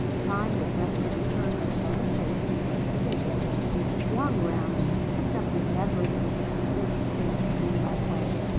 Time was left to return at the same pace and dress for dinner; he swung round and picked up remembrances of sensations he had strewn by the way.